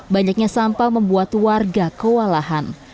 banyaknya sampah membuat warga kewalahan